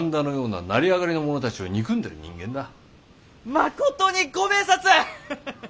まことにご明察！